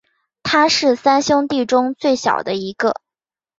他是三兄弟中最小的一个。